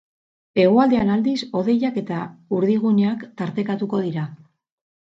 Hegoaldean, aldiz, hodeiak eta urdinguneak tartekatuko dira.